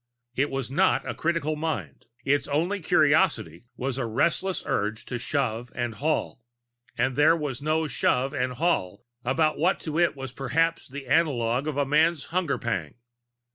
It was not a critical mind. Its only curiosity was a restless urge to shove and haul, and there was no shove and haul about what to it was perhaps the analogue of a man's hunger pang.